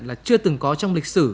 là chưa từng có trong lịch sử